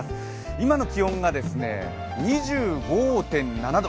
今の気温が２５．７度。